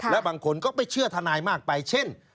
และบางคนก็ไปเชื่อทนายมากไปเช่น